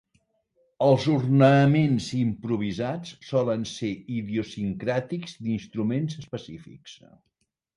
Els ornaments improvisats solen ser idiosincràtics d'instruments específics.